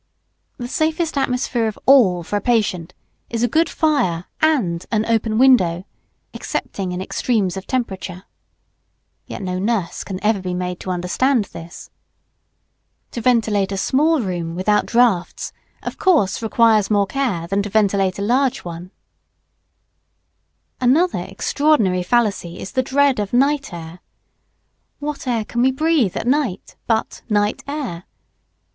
The safest atmosphere of all for a patient is a good fire and an open window, excepting in extremes of temperature. (Yet no nurse can ever be made to understand this.) To ventilate a small room without draughts of course requires more care than to ventilate a large one. [Sidenote: Night air.] Another extraordinary fallacy is the dread of night air. What air can we breathe at night but night air?